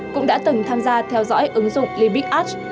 cũng đã từng tham gia theo dõi ứng dụng limit edge